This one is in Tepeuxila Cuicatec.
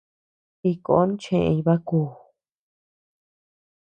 Iñkon cheʼeñ bakuu.